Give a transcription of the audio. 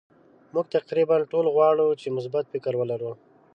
مونږ تقریبا ټول غواړو چې مثبت فکر ولرو.